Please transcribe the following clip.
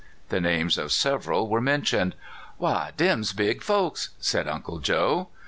The names of several were mentioned. " Why, dem 's big folks," said Uncle Joe.